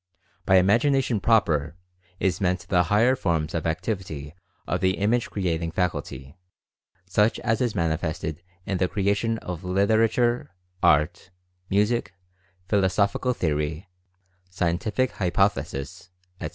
By "imagination proper" is meant the higher forms of activity of the, image creating faculty, such as is manifested in the crea tion of literature, art, music, philosophical theory, sci entific hypothesis, etc.